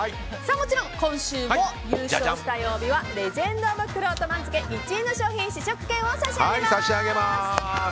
もちろん今週も優勝した曜日はレジェンド・オブ・くろうと番付１位の商品、試食券を差し上げます。